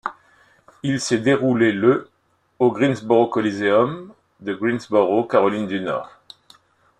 Il s'est déroulé le au Greensboro Coliseum de Greensboro, Caroline du Nord.